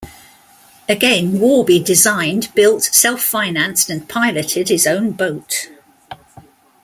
Again, Warby designed, built, self-financed and piloted his own boat.